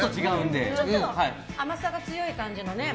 甘さがちょっと強い感じのね。